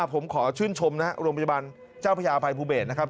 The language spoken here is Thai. ผมขอชื่นชมนะครับโรงพยาบาลเจ้าพระยาภัยภูเบศนะครับ